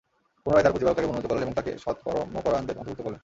পুনরায় তার প্রতিপালক তাকে মনোনীত করলেন এবং তাকে সৎকর্মপরায়ণদের অন্তর্ভুক্ত করলেন।